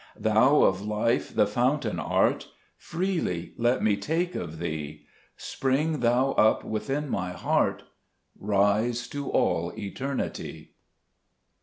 Thou of life the Fountain art, Freely let me take of Thee ; Spring Thou up within my heart, Rise to all eternity.